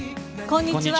こんにちは。